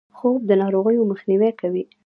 خوب د ناروغیو مخنیوی کوي